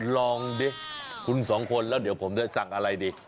ลองดิคุณสองคนแล้วเดี๋ยวผมจะสั่งอะไรดี